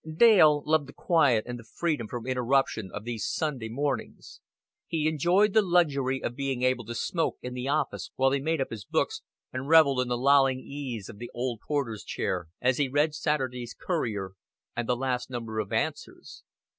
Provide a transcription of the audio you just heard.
Dale loved the quiet and the freedom from interruption of these Sunday mornings; he enjoyed the luxury of being able to smoke in the office while he made up his books, and reveled in the lolling ease of the old porter's chair as he read Saturday's Courier and the last number of Answers.